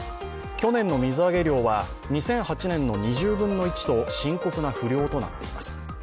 去年の水揚げ量は２００８年の２０分の１と深刻な不漁となっています。